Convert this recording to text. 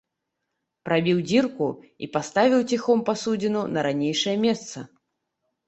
Прабіў дзірку і паставіў ціхом пасудзіну на ранейшае месца.